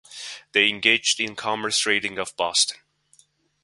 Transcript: They engaged in commerce raiding off Boston.